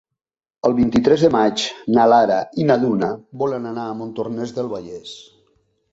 El vint-i-tres de maig na Lara i na Duna volen anar a Montornès del Vallès.